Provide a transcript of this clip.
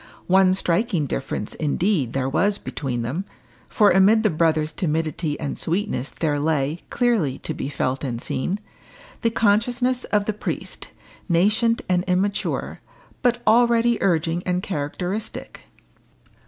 One striking difference, indeed, there was between them, for amid the brother's timidity and sweetness there lay, clearly to be felt and seen, the consciousness of the priest nascent and immature, but already urging and characteristic.